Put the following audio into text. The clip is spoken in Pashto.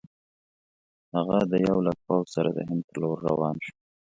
هغه د یو لک پوځ سره د هند پر لور روان دی.